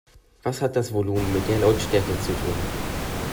Was hat das Volumen mit der Lautstärke zu tun?